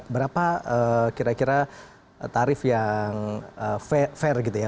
berapa kira kira tarif yang fair gitu ya